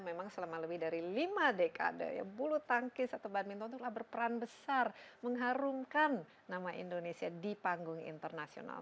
memang selama lebih dari lima dekade ya bulu tangkis atau badminton itu adalah berperan besar mengharumkan nama indonesia di panggung internasional